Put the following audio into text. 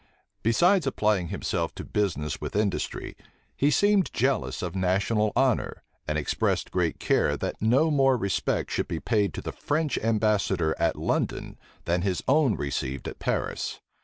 Besides applying himself to business with industry, he seemed jealous of national honor; and expressed great care that no more respect should be paid to the French ambassador at London, than his own received at Paris.